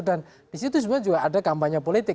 dan di situ juga ada kampanye politik